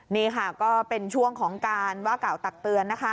นี่ค่ะก็เป็นช่วงของการว่ากล่าวตักเตือนนะคะ